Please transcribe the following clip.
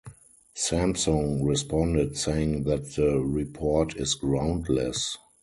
Samsung responded, saying that the report is groundless.